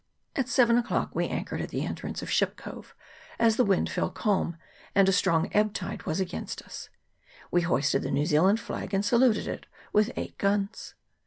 At seven o'clock we anchored at the entrance of Ship Cove, as the wind fell calm, and a strong ebb tide was against us : we hoisted the New Zealand flag, and saluted it with eight guns.